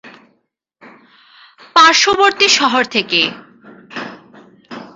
পার্শ্ববর্তী শহর থেকে।